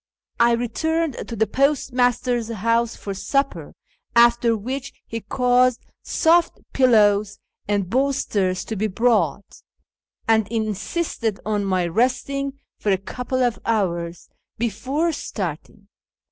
I returned to the postmaster's house for supper, after which he caused soft pillows and bolsters to be brought, and insisted on my resting for a couple of hours before starting.